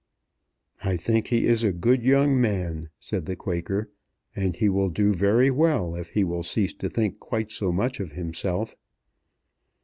"I think he is a good young man," said the Quaker, "and he will do very well if he will cease to think quite so much of himself."